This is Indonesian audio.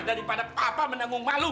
daripada papa menengung malu